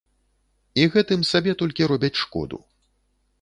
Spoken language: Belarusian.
І гэтым сабе толькі робяць шкоду.